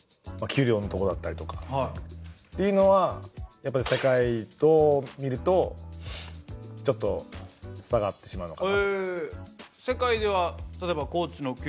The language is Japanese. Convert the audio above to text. やっぱり世界と見るとちょっと差があってしまうのかな？